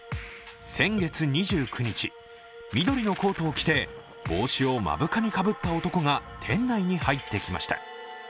先月２９日、緑のコートを着て、帽子を目深にかぶった男が店内に入ってきました。